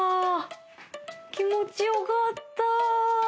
気持ち良かった。